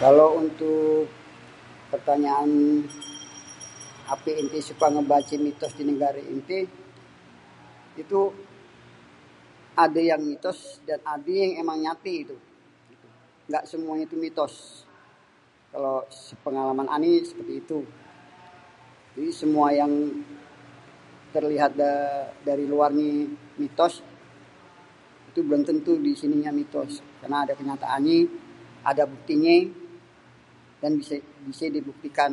"Kalo untuk pertanyaan ""Apé enté suka baca mitos di negara enté?"", itu adé yang mitos dan adé yang emang nyaté gitu, engga semuanya itu mitos. Kalo sepengalaman ané sih gitu, jadi semua yang terlihat dari luar ni mitos itu belum tentu di sini mitos karena ada kenyataannyé ada buktinyé dan bisa dibuktikan."